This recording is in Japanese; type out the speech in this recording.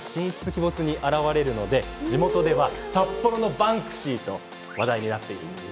鬼没に現れるため地元では、札幌のバンクシ―と話題になったんです。